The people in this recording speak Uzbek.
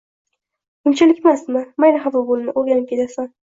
Unchalikmasmi? Mayli, xafa boʻlma, oʻrganib ketasan.